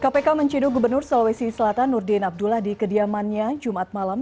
kpk menciduk gubernur sulawesi selatan nurdin abdullah di kediamannya jumat malam